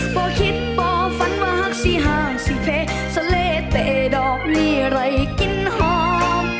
ป่อคิดป่อฝันว่าหักสี่ห่างสี่เพสะเลเตะดอกมีไร่กินหอม